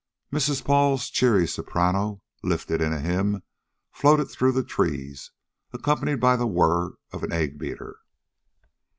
Mrs. Paul's cheery soprano, lifted in a hymn, floated through the trees, accompanied by the whirr of an egg beater.